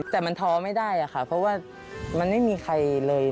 แต่มันท้อไม่ได้ค่ะเพราะว่ามันไม่มีใครเลย